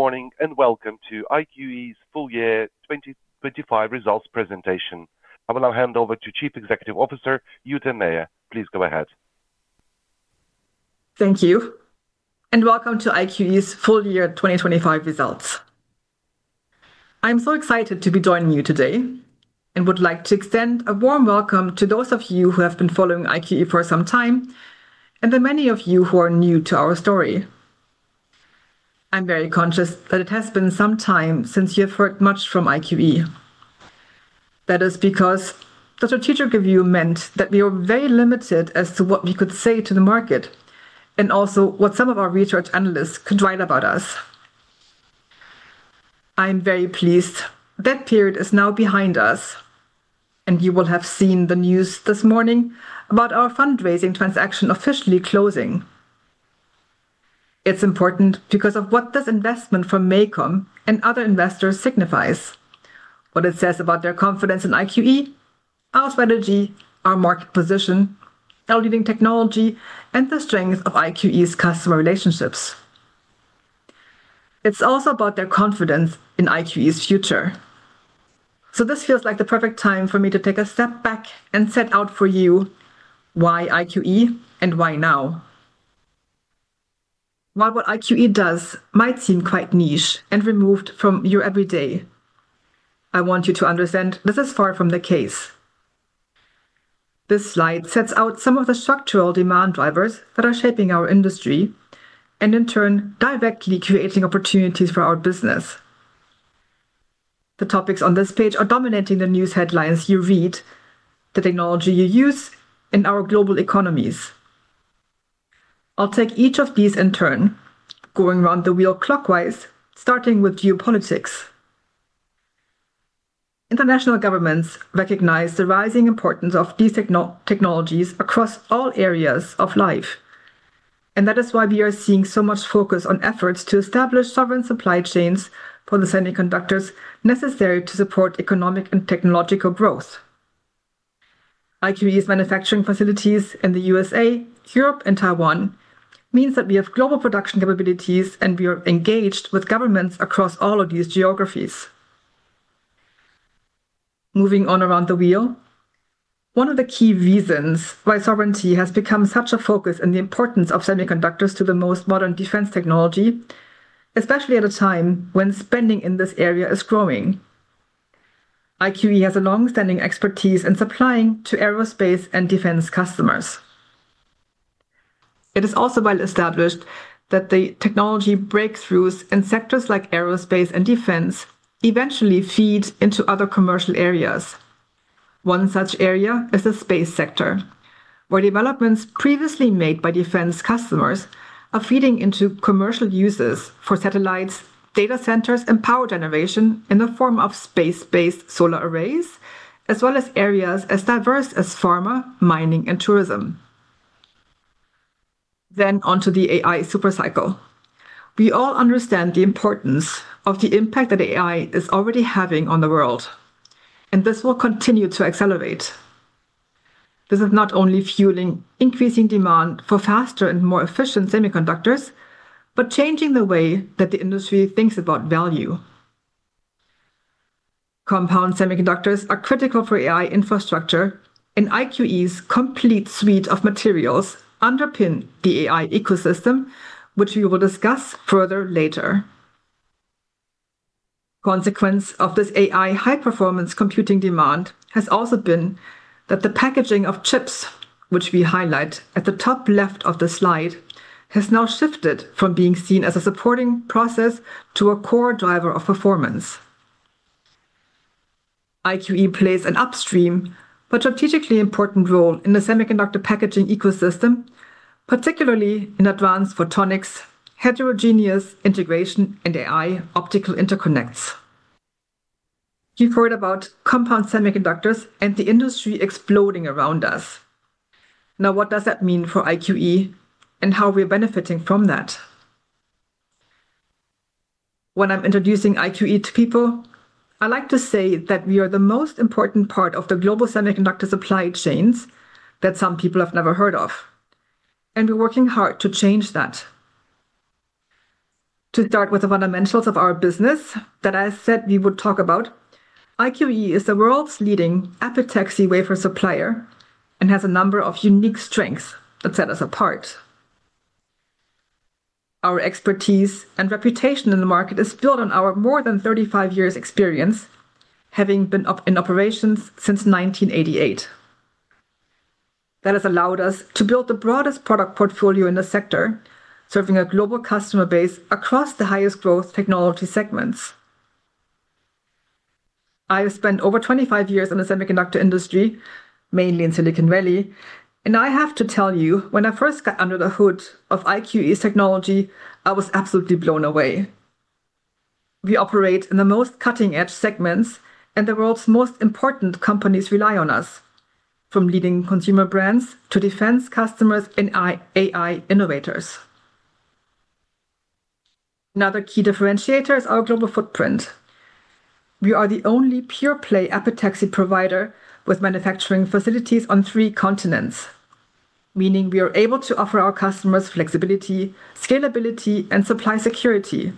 Good morning. Welcome to IQE's full year 2025 results presentation. I will now hand over to Chief Executive Officer, Jutta Meier. Please go ahead. Thank you. Welcome to IQE's full year 2025 results. I'm so excited to be joining you today and would like to extend a warm welcome to those of you who have been following IQE for some time, and the many of you who are new to our story. I'm very conscious that it has been some time since you've heard much from IQE. That is because the strategic review meant that we were very limited as to what we could say to the market, and also what some of our research analysts could write about us. I am very pleased that period is now behind us, and you will have seen the news this morning about our fundraising transaction officially closing. It's important because of what this investment from MACOM and other investors signifies, what it says about their confidence in IQE, our strategy, our market position, our leading technology, and the strength of IQE's customer relationships. It's also about their confidence in IQE's future. This feels like the perfect time for me to take a step back and set out for you why IQE and why now. While what IQE does might seem quite niche and removed from your every day, I want you to understand this is far from the case. This slide sets out some of the structural demand drivers that are shaping our industry, and in turn, directly creating opportunities for our business. The topics on this page are dominating the news headlines you read, the technology you use, and our global economies. I'll take each of these in turn, going around the wheel clockwise, starting with geopolitics. International governments recognize the rising importance of these technologies across all areas of life, and that is why we are seeing so much focus on efforts to establish sovereign supply chains for the semiconductors necessary to support economic and technological growth. IQE's manufacturing facilities in the USA, Europe, and Taiwan means that we have global production capabilities, and we are engaged with governments across all of these geographies. Moving on around the wheel. One of the key reasons why sovereignty has become such a focus and the importance of semiconductors to the most modern defense technology, especially at a time when spending in this area is growing. IQE has a long-standing expertise in supplying to aerospace and defense customers. It is also well established that the technology breakthroughs in sectors like aerospace and defense eventually feed into other commercial areas. One such area is the space sector, where developments previously made by defense customers are feeding into commercial uses for satellites, data centers, and power generation in the form of space-based solar arrays, as well as areas as diverse as pharma, mining, and tourism. Onto the AI super cycle. We all understand the importance of the impact that AI is already having on the world, and this will continue to accelerate. This is not only fueling increasing demand for faster and more efficient semiconductors, but changing the way that the industry thinks about value. Compound semiconductors are critical for AI infrastructure, and IQE's complete suite of materials underpin the AI ecosystem, which we will discuss further later. A consequence of this AI high-performance computing demand has also been that the packaging of chips, which we highlight at the top left of the slide, has now shifted from being seen as a supporting process to a core driver of performance. IQE plays an upstream but strategically important role in the semiconductor packaging ecosystem, particularly in advanced photonics, heterogeneous integration, and AI optical interconnects. You've heard about compound semiconductors and the industry exploding around us. Now, what does that mean for IQE, and how are we benefiting from that? When I'm introducing IQE to people, I like to say that we are the most important part of the global semiconductor supply chains that some people have never heard of, and we're working hard to change that. To start with the fundamentals of our business that I said we would talk about, IQE is the world's leading epitaxy wafer supplier and has a number of unique strengths that set us apart. Our expertise and reputation in the market is built on our more than 35 years experience, having been in operations since 1988. That has allowed us to build the broadest product portfolio in the sector, serving a global customer base across the highest growth technology segments. I have spent over 25 years in the semiconductor industry, mainly in Silicon Valley, and I have to tell you, when I first got under the hood of IQE's technology, I was absolutely blown away. We operate in the most cutting-edge segments, and the world's most important companies rely on us, from leading consumer brands to defense customers and AI innovators. Another key differentiator is our global footprint. We are the only pure-play epitaxy provider with manufacturing facilities on three continents, meaning we are able to offer our customers flexibility, scalability, and supply security.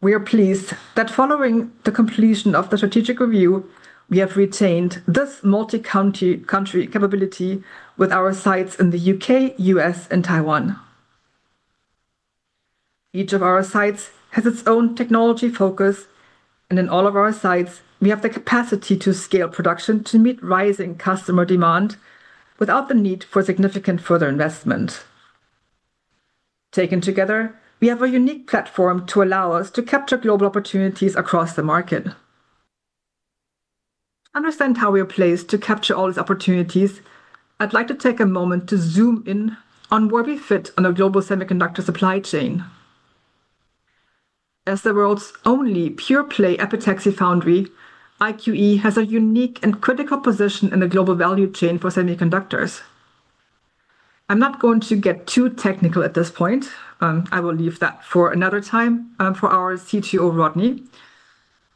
We are pleased that following the completion of the strategic review, we have retained this multi-country capability with our sites in the U.K., U.S., and Taiwan. Each of our sites has its own technology focus, and in all of our sites, we have the capacity to scale production to meet rising customer demand without the need for significant further investment. Taken together, we have a unique platform to allow us to capture global opportunities across the market. To understand how we are placed to capture all these opportunities, I'd like to take a moment to zoom in on where we fit on a global semiconductor supply chain. As the world's only pure-play epitaxy foundry, IQE has a unique and critical position in the global value chain for semiconductors. I'm not going to get too technical at this point. I will leave that for another time for our CTO, Rodney.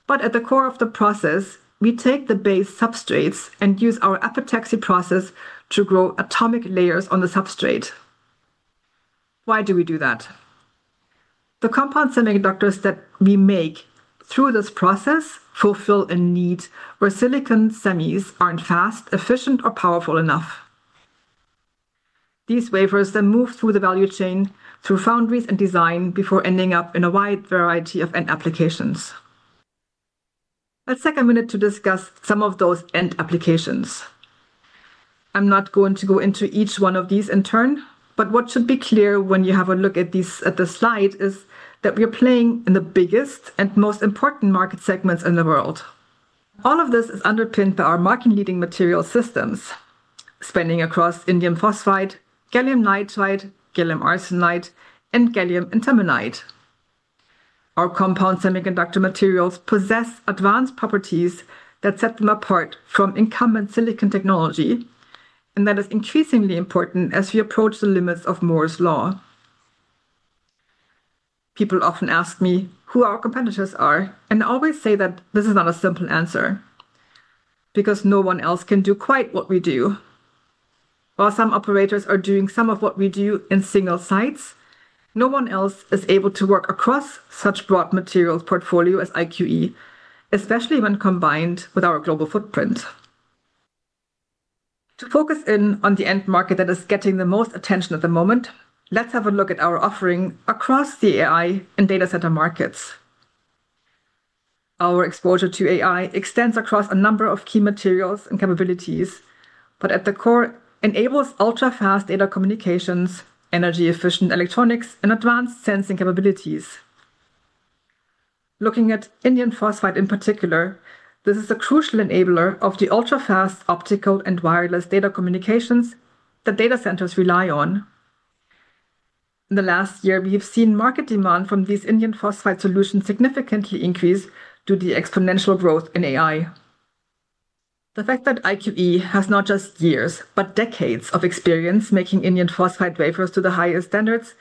At the core of the process, we take the base substrates and use our epitaxy process to grow atomic layers on the substrate. Why do we do that? The compound semiconductors that we make through this process fulfill a need where silicon semis aren't fast, efficient, or powerful enough. These wafers move through the value chain through foundries and design before ending up in a wide variety of end applications. Let's take a minute to discuss some of those end applications. I'm not going to go into each one of these in turn, but what should be clear when you have a look at the slide is that we are playing in the biggest and most important market segments in the world. All of this is underpinned by our market-leading material systems, spanning across indium phosphide, gallium nitride, gallium arsenide, and gallium antimonide. Our compound semiconductor materials possess advanced properties that set them apart from incumbent silicon technology, and that is increasingly important as we approach the limits of Moore's Law. People often ask me who our competitors are, and I always say that this is not a simple answer, because no one else can do quite what we do. While some operators are doing some of what we do in single sites, no one else is able to work across such broad materials portfolio as IQE, especially when combined with our global footprint. To focus in on the end market that is getting the most attention at the moment, let's have a look at our offering across the AI and data center markets. Our exposure to AI extends across a number of key materials and capabilities, but at the core, enables ultra-fast data communications, energy-efficient electronics, and advanced sensing capabilities. Looking at indium phosphide in particular, this is a crucial enabler of the ultra-fast optical and wireless data communications that data centers rely on. In the last year, we have seen market demand from these indium phosphide solutions significantly increase due to the exponential growth in AI. The fact that IQE has not just years, but decades of experience making indium phosphide wafers to the highest standards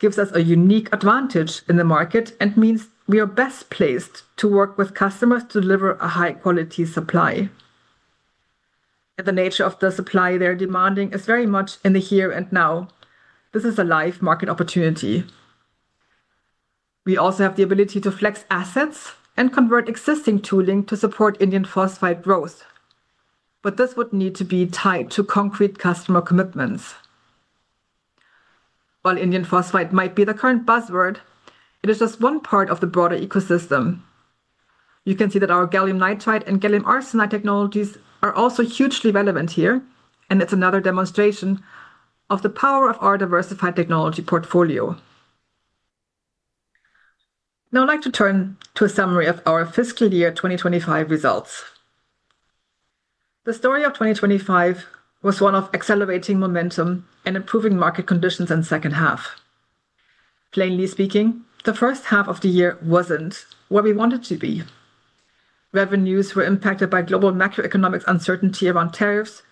gives us a unique advantage in the market and means we are best placed to work with customers to deliver a high-quality supply. The nature of the supply they're demanding is very much in the here and now. This is a live market opportunity. We also have the ability to flex assets and convert existing tooling to support indium phosphide growth, but this would need to be tied to concrete customer commitments. While indium phosphide might be the current buzzword, it is just one part of the broader ecosystem. You can see that our gallium nitride and gallium arsenide technologies are also hugely relevant here, and it's another demonstration of the power of our diversified technology portfolio. Now I'd like to turn to a summary of our fiscal year 2025 results. The story of 2025 was one of accelerating momentum and improving market conditions in second half. Plainly speaking, the first half of the year wasn't where we wanted to be. Revenues were impacted by global macroeconomic uncertainty around tariffs,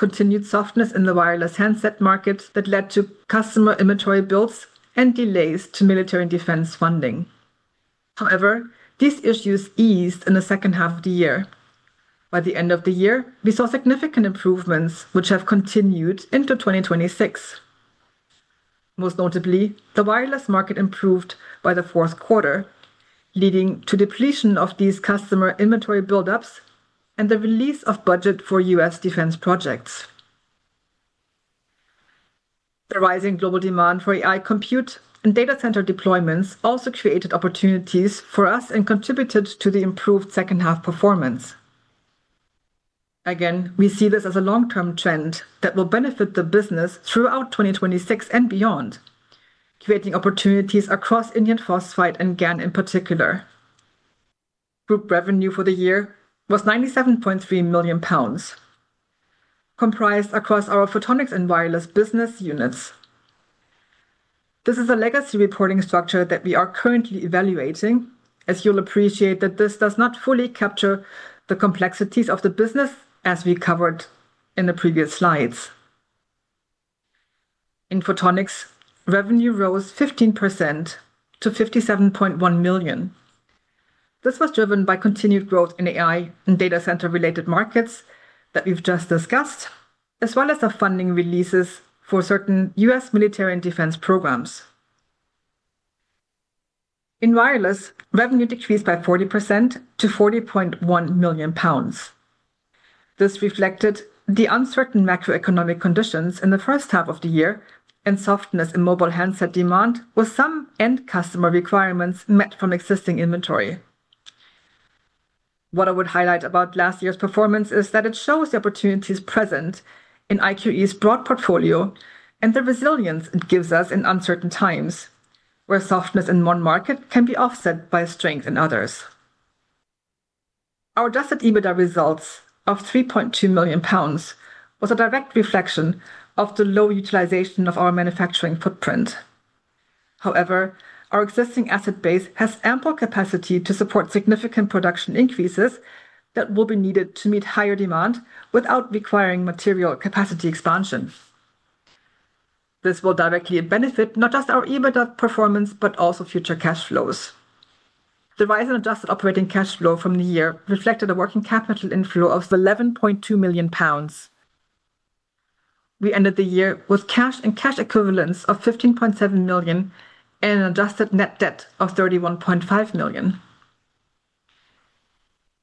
continued softness in the wireless handset market that led to customer inventory builds, and delays to military and defense funding. However, these issues eased in the second half of the year. By the end of the year, we saw significant improvements, which have continued into 2026. Most notably, the wireless market improved by the fourth quarter, leading to depletion of these customer inventory buildups and the release of budget for U.S. defense projects. The rising global demand for AI compute and data center deployments also created opportunities for us and contributed to the improved second half performance. Again, we see this as a long-term trend that will benefit the business throughout 2026 and beyond, creating opportunities across indium phosphide and GaN in particular. Group revenue for the year was 97.3 million pounds, comprised across our Photonics and Wireless business units. This is a legacy reporting structure that we are currently evaluating, as you'll appreciate that this does not fully capture the complexities of the business as we covered in the previous slides. In Photonics, revenue rose 15% to 57.1 million. This was driven by continued growth in AI and data center related markets that we've just discussed, as well as the funding releases for certain U.S. military and defense programs. In Wireless, revenue decreased by 40% to 40.1 million pounds. This reflected the uncertain macroeconomic conditions in the first half of the year and softness in mobile handset demand, with some end customer requirements met from existing inventory. What I would highlight about last year's performance is that it shows the opportunities present in IQE's broad portfolio and the resilience it gives us in uncertain times, where softness in one market can be offset by strength in others. Our adjusted EBITDA results of 3.2 million pounds was a direct reflection of the low utilization of our manufacturing footprint. However, our existing asset base has ample capacity to support significant production increases that will be needed to meet higher demand without requiring material capacity expansion. This will directly benefit not just our EBITDA performance, but also future cash flows. The rise in adjusted operating cash flow from the year reflected a working capital inflow of 11.2 million pounds. We ended the year with cash and cash equivalents of 15.7 million and an adjusted net debt of 31.5 million.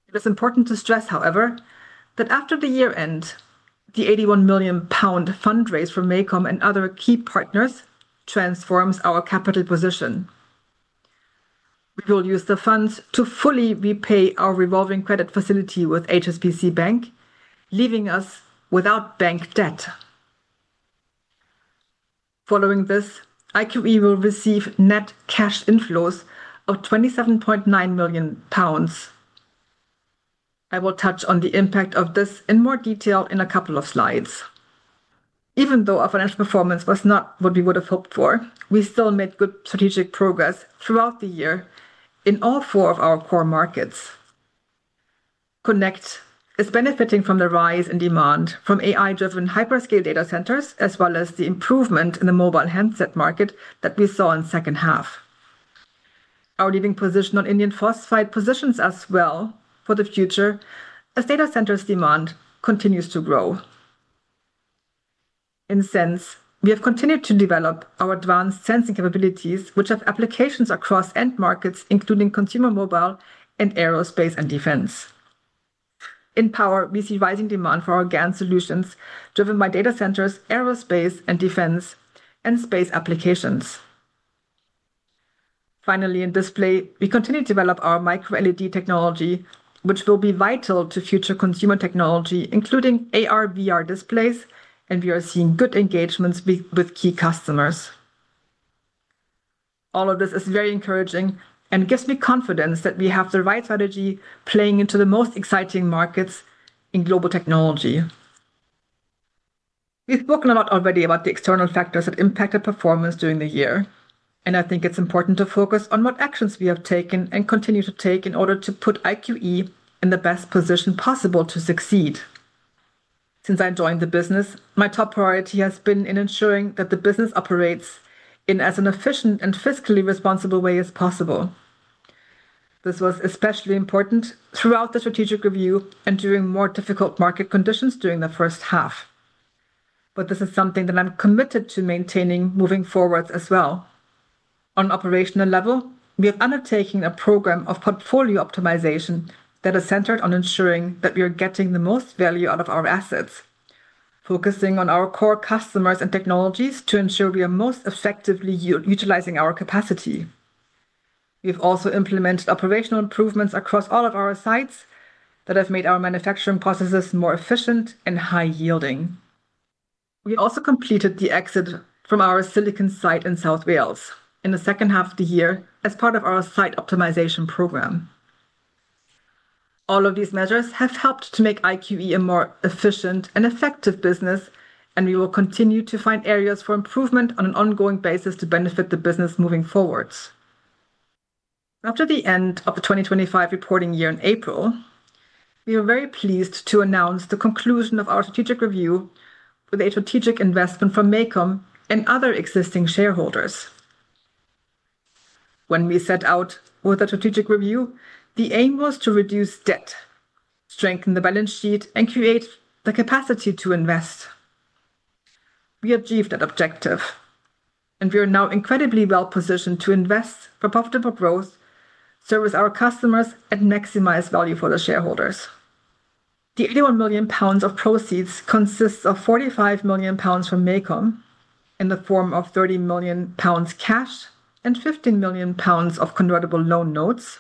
It is important to stress, however, that after the year end, the 81 million pound fundraise from MACOM and other key partners transforms our capital position. We will use the funds to fully repay our revolving credit facility with HSBC Bank, leaving us without bank debt. Following this, IQE will receive net cash inflows of 27.9 million pounds. I will touch on the impact of this in more detail in a couple of slides. Even though our financial performance was not what we would have hoped for, we still made good strategic progress throughout the year in all four of our core markets. Connect is benefiting from the rise in demand from AI-driven hyperscale data centers, as well as the improvement in the mobile handset market that we saw in the second half. Our leading position on indium phosphide positions us well for the future as data centers demand continues to grow. In sense, we have continued to develop our advanced sensing capabilities, which have applications across end markets, including consumer mobile and aerospace and defense. In power, we see rising demand for our GaN solutions driven by data centers, aerospace and defense, and space applications. Finally, in display, we continue to develop our MicroLED technology, which will be vital to future consumer technology, including AR/VR displays, and we are seeing good engagements with key customers. All of this is very encouraging and gives me confidence that we have the right strategy playing into the most exciting markets in global technology. We've spoken a lot already about the external factors that impacted performance during the year, and I think it's important to focus on what actions we have taken and continue to take in order to put IQE in the best position possible to succeed. Since I joined the business, my top priority has been in ensuring that the business operates in as an efficient and fiscally responsible way as possible. This was especially important throughout the strategic review and during more difficult market conditions during the first half. This is something that I'm committed to maintaining moving forward as well. On an operational level, we have undertaken a program of portfolio optimization that is centered on ensuring that we are getting the most value out of our assets, focusing on our core customers and technologies to ensure we are most effectively utilizing our capacity. We have also implemented operational improvements across all of our sites that have made our manufacturing processes more efficient and high yielding. We also completed the exit from our silicon site in South Wales in the second half of the year as part of our site optimization program. All of these measures have helped to make IQE a more efficient and effective business, and we will continue to find areas for improvement on an ongoing basis to benefit the business moving forward. After the end of the 2025 reporting year in April, we are very pleased to announce the conclusion of our strategic review with a strategic investment from MACOM and other existing shareholders. When we set out with a strategic review, the aim was to reduce debt, strengthen the balance sheet, and create the capacity to invest. We achieved that objective, and we are now incredibly well positioned to invest for profitable growth, service our customers, and maximize value for the shareholders. The 81 million pounds of proceeds consists of 45 million pounds from MACOM in the form of 30 million pounds cash and 15 million pounds of convertible loan notes,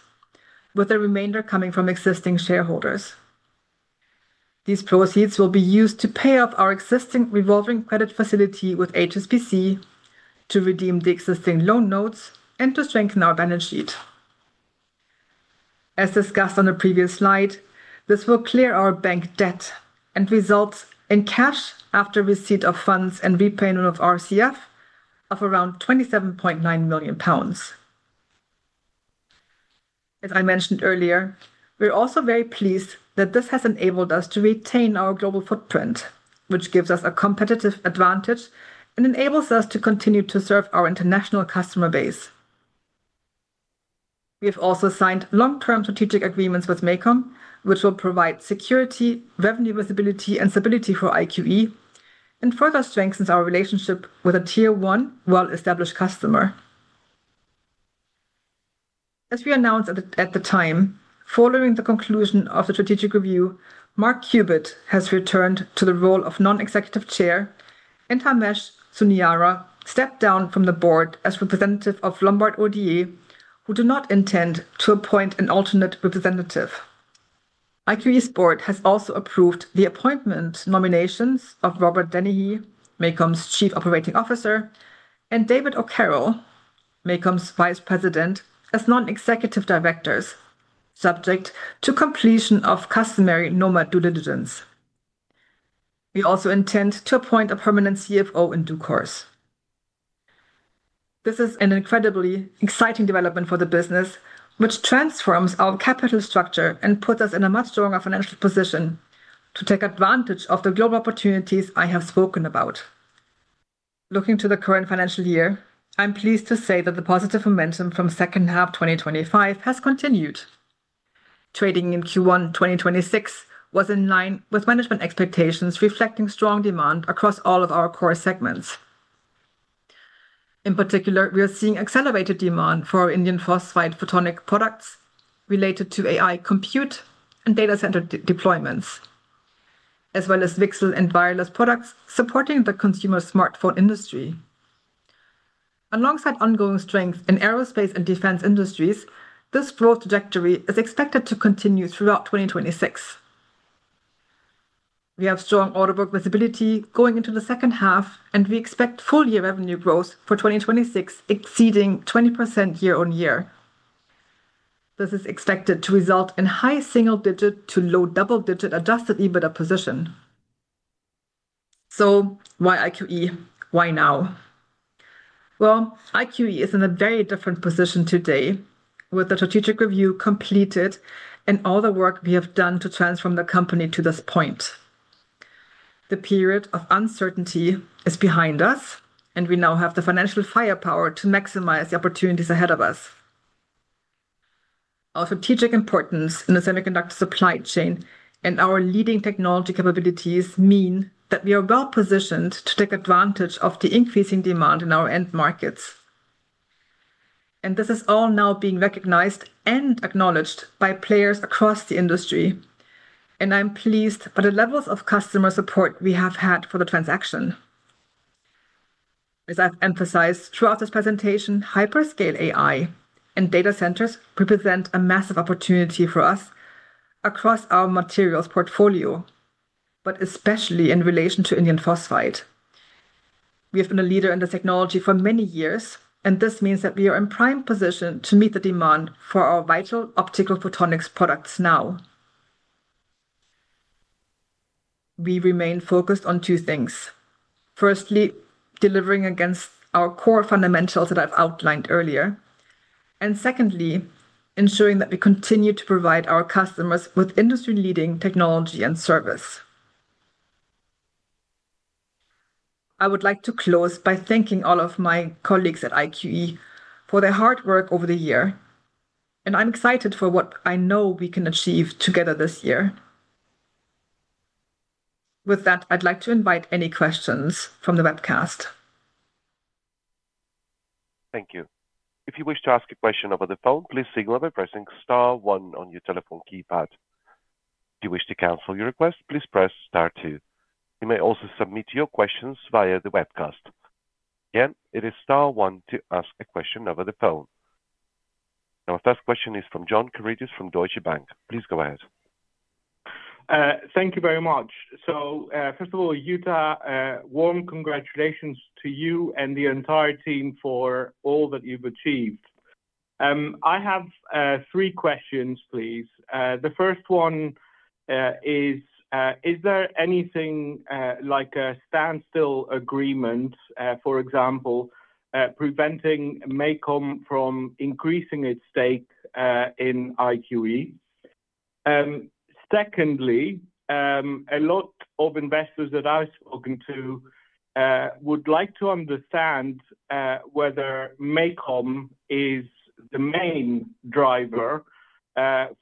with the remainder coming from existing shareholders. These proceeds will be used to pay off our existing revolving credit facility with HSBC to redeem the existing loan notes and to strengthen our balance sheet. As discussed on the previous slide, this will clear our bank debt and result in cash after receipt of funds and repayment of RCF of around £27.9 million. As I mentioned earlier, we're also very pleased that this has enabled us to retain our global footprint, which gives us a competitive advantage and enables us to continue to serve our international customer base. We have also signed long-term strategic agreements with MACOM, which will provide security, revenue visibility, and stability for IQE, and further strengthens our relationship with a tier 1 well-established customer. As we announced at the time, following the conclusion of the strategic review, Mark Cubitt has returned to the role of non-executive Chair and Harmesh Suniara stepped down from the board as representative of Lombard Odier, who do not intend to appoint an alternate representative. IQE's board has also approved the appointment nominations of Robert Dennehy, MACOM's Chief Operating Officer, and David O'Carroll, MACOM's Vice President, as non-executive Directors, subject to completion of customary normal due diligence. We also intend to appoint a permanent CFO in due course. This is an incredibly exciting development for the business, which transforms our capital structure and puts us in a much stronger financial position to take advantage of the global opportunities I have spoken about. Looking to the current financial year, I'm pleased to say that the positive momentum from second half 2025 has continued. Trading in Q1 2026 was in line with management expectations, reflecting strong demand across all of our core segments. In particular, we are seeing accelerated demand for our indium phosphide photonic products related to AI compute and data center deployments, as well as VCSEL and wireless products supporting the consumer smartphone industry. Alongside ongoing strength in aerospace and defense industries, this growth trajectory is expected to continue throughout 2026. We have strong order book visibility going into the second half, and we expect full-year revenue growth for 2026 exceeding 20% year-on-year. This is expected to result in high single digit to low double digit adjusted EBITDA position. Why IQE? Why now? Well, IQE is in a very different position today with the strategic review completed and all the work we have done to transform the company to this point. The period of uncertainty is behind us. We now have the financial firepower to maximize the opportunities ahead of us. Our strategic importance in the semiconductor supply chain and our leading technology capabilities mean that we are well positioned to take advantage of the increasing demand in our end markets. This is all now being recognized and acknowledged by players across the industry, and I'm pleased by the levels of customer support we have had for the transaction. As I've emphasized throughout this presentation, hyperscale AI and data centers represent a massive opportunity for us across our materials portfolio, but especially in relation to indium phosphide. We have been a leader in the technology for many years, and this means that we are in prime position to meet the demand for our vital optical photonics products now. We remain focused on two things. Firstly, delivering against our core fundamentals that I've outlined earlier. Secondly, ensuring that we continue to provide our customers with industry-leading technology and service. I would like to close by thanking all of my colleagues at IQE for their hard work over the year, and I'm excited for what I know we can achieve together this year. With that, I'd like to invite any questions from the webcast. Thank you. If you wish to ask a question over the phone, please signal by pressing star one on your telephone keypad. If you wish to cancel your request, please press star two. You may also submit your questions via the webcast. Again, it is star one to ask a question over the phone. Our first question is from John Karidis from Deutsche Bank. Please go ahead. Thank you very much. First of all, Jutta, warm congratulations to you and the entire team for all that you've achieved. I have three questions, please. The first one is: Is there anything like a standstill agreement, for example, preventing MACOM from increasing its stake in IQE? Secondly, a lot of investors that I've spoken to would like to understand whether MACOM is the main driver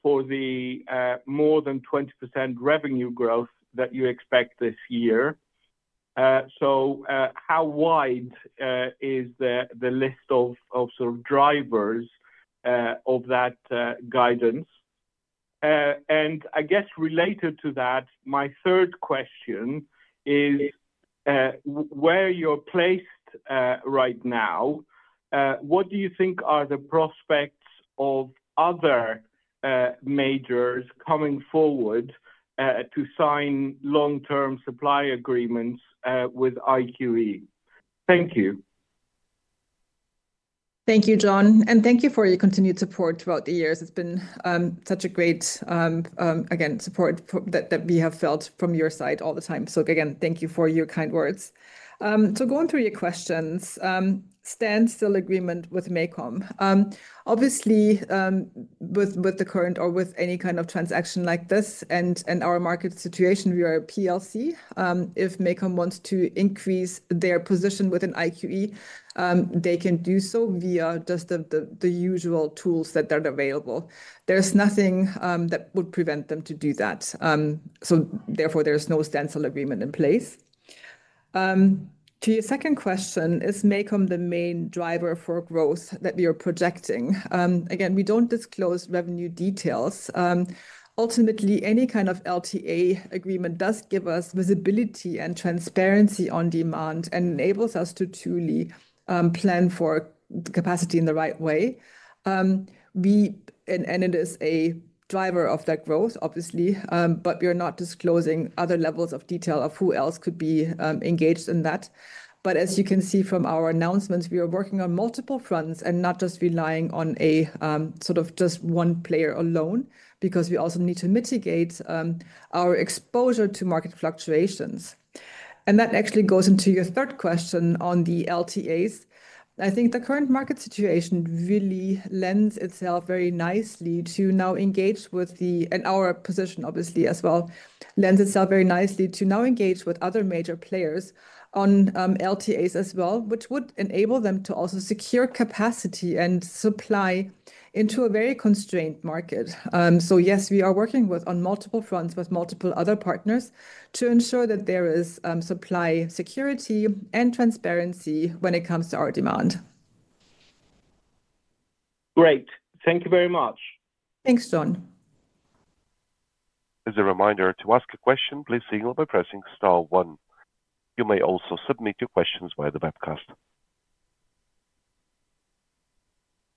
for the more than 20% revenue growth that you expect this year. How wide is the list of sort of drivers of that guidance? I guess related to that, my third question is, where you're placed right now, what do you think are the prospects of other majors coming forward to sign long-term supply agreements with IQE? Thank you. Thank you, John, thank you for your continued support throughout the years. It's been such a great support that we have felt from your side all the time. Again, thank you for your kind words. Going through your questions standstill agreement with MACOM. Obviously, with the current or with any kind of transaction like this, and our market situation, we are a PLC. If MACOM wants to increase their position within IQE, they can do so via just the usual tools that are available. There's nothing that would prevent them to do that. Therefore, there's no standstill agreement in place. To your second question, is MACOM the main driver for growth that we are projecting? Again, we don't disclose revenue details. Ultimately, any kind of LTA agreement does give us visibility and transparency on demand and enables us to truly plan for capacity in the right way. It is a driver of that growth, obviously, but we are not disclosing other levels of detail of who else could be engaged in that. As you can see from our announcements, we are working on multiple fronts and not just relying on just one player alone, because we also need to mitigate our exposure to market fluctuations. That actually goes into your third question on the LTAs. I think the current market situation really, and our position obviously as well, lends itself very nicely to now engage with other major players on LTAs as well, which would enable them to also secure capacity and supply into a very constrained market. Yes, we are working on multiple fronts with multiple other partners to ensure that there is supply security and transparency when it comes to our demand. Great. Thank you very much. Thanks, John. As a reminder, to ask a question, please signal by pressing star one. You may also submit your questions via the webcast.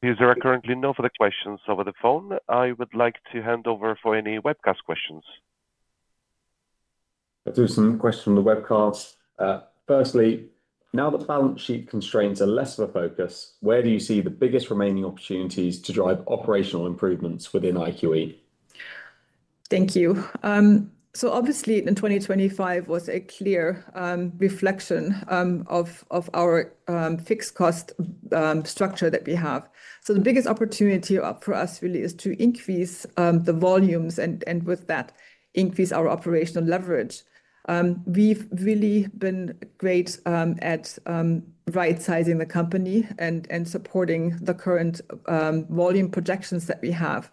There are currently no further questions over the phone. I would like to hand over for any webcast questions. There's some questions from the webcast. Firstly, now that balance sheet constraints are less of a focus, where do you see the biggest remaining opportunities to drive operational improvements within IQE? Thank you. Obviously, in 2025 was a clear reflection of our fixed cost structure that we have. The biggest opportunity for us really is to increase the volumes, and with that, increase our operational leverage. We've really been great at right-sizing the company and supporting the current volume projections that we have.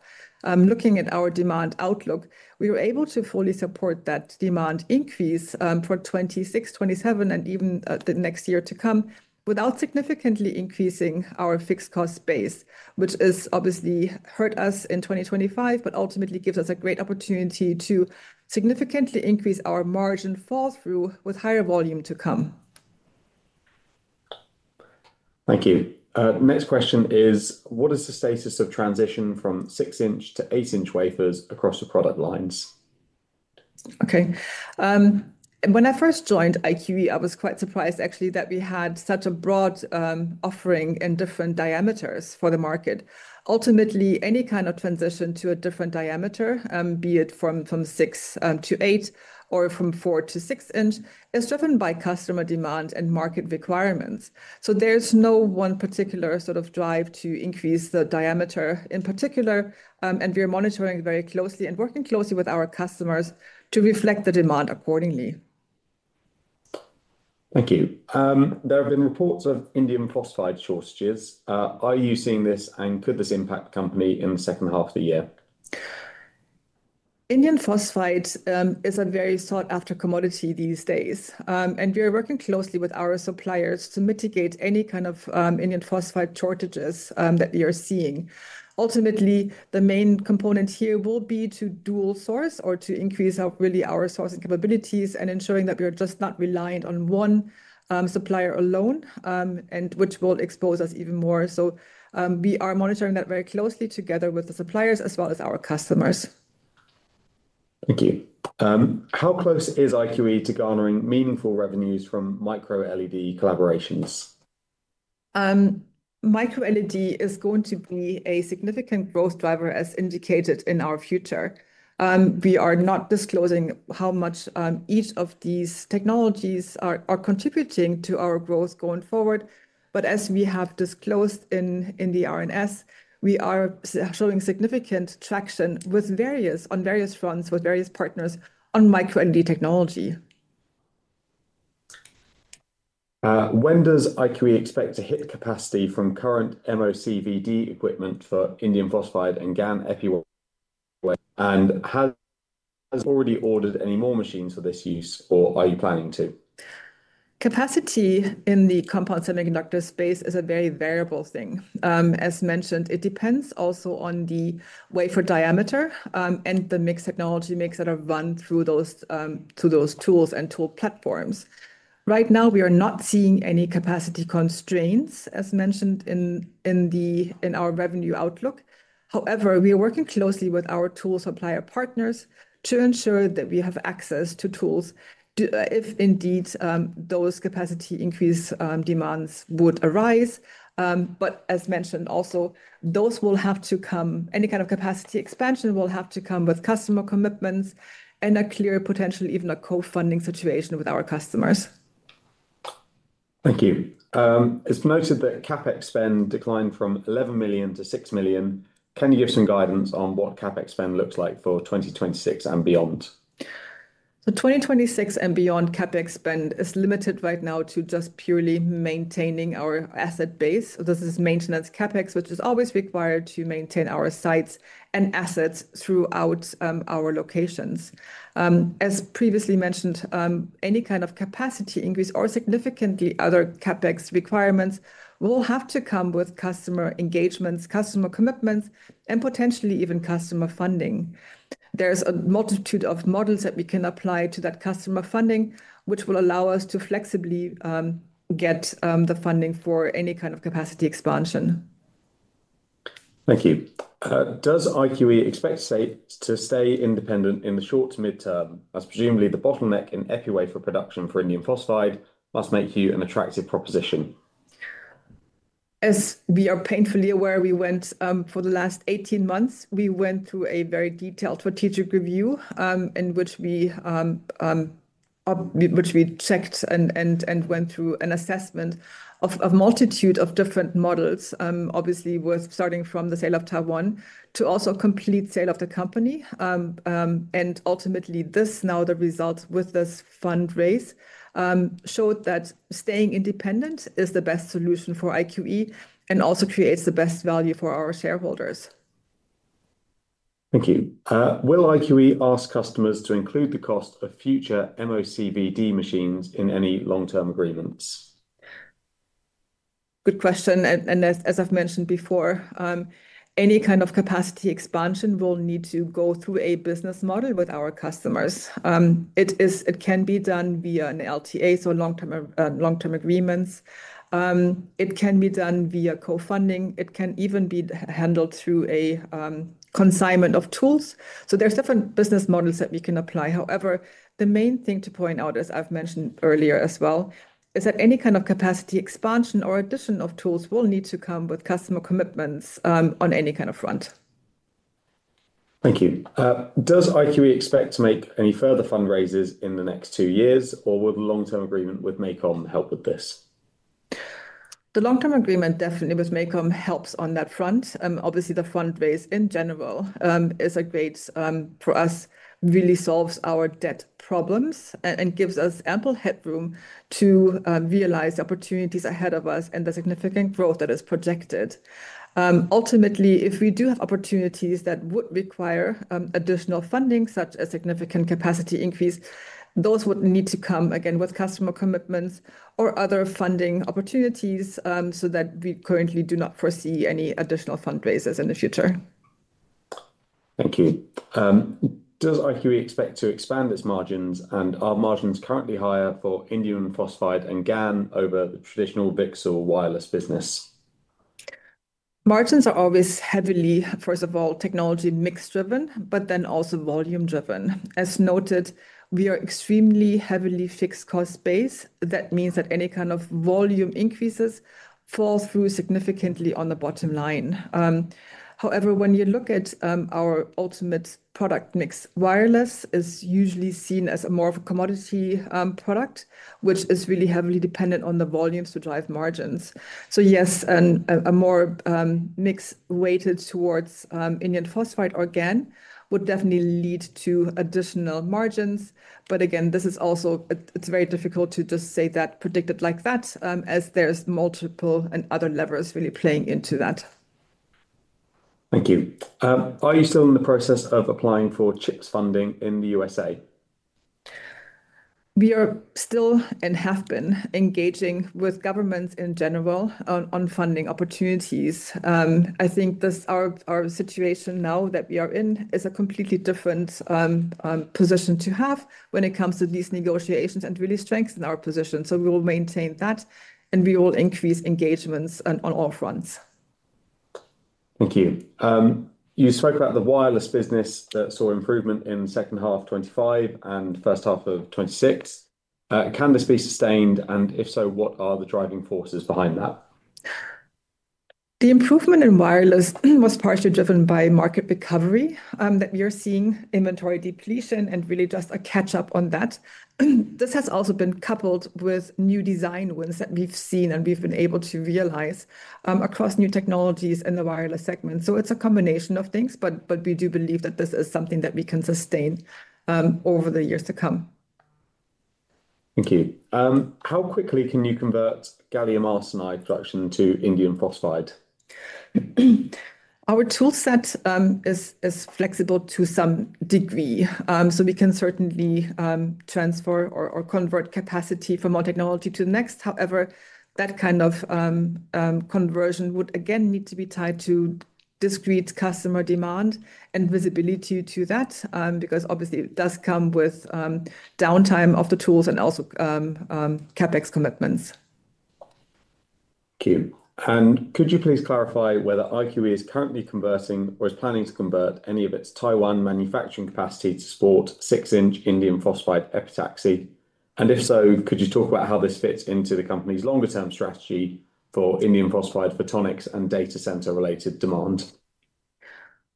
Looking at our demand outlook, we were able to fully support that demand increase for 2026, 2027, and even the next year to come without significantly increasing our fixed cost base, which has obviously hurt us in 2025, but ultimately gives us a great opportunity to significantly increase our margin fall through with higher volume to come. Thank you. Next question is, what is the status of transition from six-inch to eight-inch wafers across the product lines? Okay. When I first joined IQE, I was quite surprised actually, that we had such a broad offering in different diameters for the market. Ultimately, any kind of transition to a different diameter, be it from six to eight or from four to six inch, is driven by customer demand and market requirements. There's no one particular drive to increase the diameter in particular, and we are monitoring very closely and working closely with our customers to reflect the demand accordingly. Thank you. There have been reports of indium phosphide shortages. Are you seeing this, and could this impact the company in the second half of the year? Indium phosphide is a very sought-after commodity these days. We are working closely with our suppliers to mitigate any kind of indium phosphide shortages that we are seeing. Ultimately, the main component here will be to dual source or to increase really our sourcing capabilities and ensuring that we are just not reliant on one supplier alone, and which will expose us even more. We are monitoring that very closely together with the suppliers as well as our customers. Thank you. How close is IQE to garnering meaningful revenues from MicroLED collaborations? MicroLED is going to be a significant growth driver as indicated in our future. We are not disclosing how much each of these technologies are contributing to our growth going forward, but as we have disclosed in the RNS, we are showing significant traction on various fronts with various partners on MicroLED technology. When does IQE expect to hit capacity from current MOCVD equipment for indium phosphide and GaN epi wafer, and has already ordered any more machines for this use, or are you planning to? Capacity in the compound semiconductor space is a very variable thing. As mentioned, it depends also on the wafer diameter, and the mixed technology mix that have run through those tools and tool platforms. Right now, we are not seeing any capacity constraints as mentioned in our revenue outlook. However, we are working closely with our tool supplier partners to ensure that we have access to tools if indeed those capacity increase demands would arise. As mentioned also, any kind of capacity expansion will have to come with customer commitments and a clear potential, even a co-funding situation with our customers. Thank you. It's noted that CapEx spend declined from 11 million to 6 million. Can you give some guidance on what CapEx spend looks like for 2026 and beyond? 2026 and beyond CapEx spend is limited right now to just purely maintaining our asset base. This is maintenance CapEx, which is always required to maintain our sites and assets throughout our locations. As previously mentioned, any kind of capacity increase or significantly other CapEx requirements will have to come with customer engagements, customer commitments, and potentially even customer funding. There's a multitude of models that we can apply to that customer funding, which will allow us to flexibly get the funding for any kind of capacity expansion. Thank you. Does IQE expect to stay independent in the short to mid-term, as presumably the bottleneck in epi wafer production for indium phosphide must make you an attractive proposition? As we are painfully aware, we went, for the last 18 months, we went through a very detailed strategic review, in which we checked and went through an assessment of a multitude of different models. Obviously with starting from the sale of Taiwan to also complete sale of the company. Ultimately this now the result with this fundraise, showed that staying independent is the best solution for IQE and also creates the best value for our shareholders. Thank you. Will IQE ask customers to include the cost of future MOCVD machines in any long-term agreements? Good question. As I've mentioned before, any kind of capacity expansion will need to go through a business model with our customers. It can be done via an LTA, so long-term agreements. It can be done via co-funding. It can even be handled through a consignment of tools. There's different business models that we can apply. However, the main thing to point out, as I've mentioned earlier as well, is that any kind of capacity expansion or addition of tools will need to come with customer commitments, on any kind of front. Thank you. Does IQE expect to make any further fundraisers in the next two years, or will the long-term agreement with MACOM help with this? The long-term agreement definitely with MACOM helps on that front. Obviously the fundraise in general really solves our debt problems and gives us ample headroom to realize opportunities ahead of us and the significant growth that is projected. Ultimately if we do have opportunities that would require additional funding, such a significant capacity increase, those would need to come again with customer commitments or other funding opportunities, so that we currently do not foresee any additional fundraisers in the future. Thank you. Does IQE expect to expand its margins, and are margins currently higher for indium phosphide and GaN over the traditional VCSEL wireless business? Margins are always heavily, first of all, technology mix driven, but then also volume driven. As noted, we are extremely heavily fixed cost base. That means that any kind of volume increases fall through significantly on the bottom line. However, when you look at our ultimate product mix, wireless is usually seen as a more of a commodity product, which is really heavily dependent on the volumes to drive margins. Yes, a more mix weighted towards indium phosphide or GaN would definitely lead to additional margins. Again, this is also, it's very difficult to just say that predicted like that, as there's multiple and other levers really playing into that. Thank you. Are you still in the process of applying for CHIPS funding in the USA? We are still and have been engaging with governments in general on funding opportunities. I think our situation now that we are in is a completely different position to have when it comes to these negotiations and really strengthen our position. We will maintain that, and we will increase engagements on all fronts. Thank you. You spoke about the wireless business that saw improvement in second half 2025 and first half of 2026. Can this be sustained, and if so, what are the driving forces behind that? The improvement in wireless was partially driven by market recovery, that we are seeing inventory depletion and really just a catch-up on that. This has also been coupled with new design wins that we've seen and we've been able to realize across new technologies in the wireless segment. It's a combination of things, but we do believe that this is something that we can sustain over the years to come. Thank you. How quickly can you convert gallium arsenide production to indium phosphide? Our tool set is flexible to some degree. We can certainly transfer or convert capacity from our technology to the next. That kind of conversion would again need to be tied to discrete customer demand and visibility to that, because obviously it does come with downtime of the tools and also CapEx commitments. Thank you. Could you please clarify whether IQE is currently converting or is planning to convert any of its Taiwan manufacturing capacity to support 6-inch indium phosphide epitaxy? If so, could you talk about how this fits into the company's longer term strategy for indium phosphide photonics and data center related demand?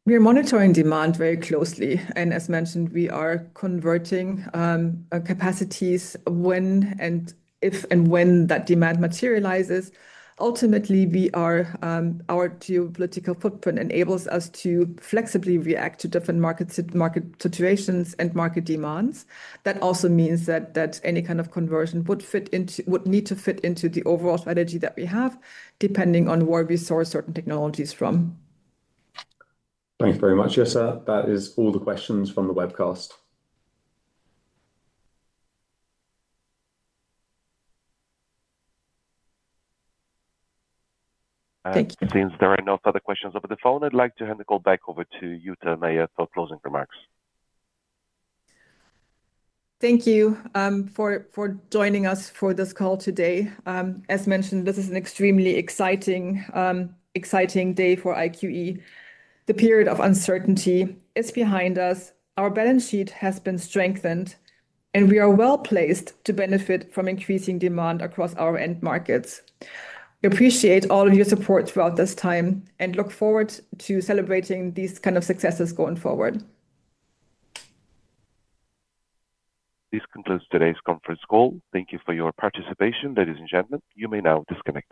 We are monitoring demand very closely, and as mentioned, we are converting capacities if and when that demand materializes. Ultimately our geopolitical footprint enables us to flexibly react to different market situations and market demands. That also means that any kind of conversion would need to fit into the overall strategy that we have, depending on where we source certain technologies from. Thanks very much, Jutta. That is all the questions from the webcast. Thank you. Since there are no further questions over the phone, I'd like to hand the call back over to Jutta Meier for closing remarks. Thank you for joining us for this call today. As mentioned, this is an extremely exciting day for IQE. The period of uncertainty is behind us. Our balance sheet has been strengthened, and we are well-placed to benefit from increasing demand across our end markets. We appreciate all of your support throughout this time and look forward to celebrating these kind of successes going forward. This concludes today's conference call. Thank you for your participation. Ladies and gentlemen, you may now disconnect.